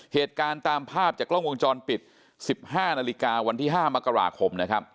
เหตุการณ์ตามภาพจากกล้องวงจรปิด๑๕นาฬิกาวันที่๕มกราคมนะครับ